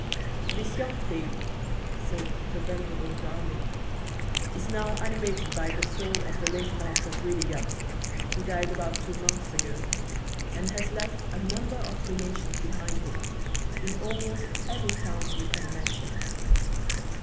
"This young pig, said the venerable Bramin, is now animated by the soul of the late master Greedyguts, who died about two months ago, and has left a number of relations behind him in almost every town you can mention.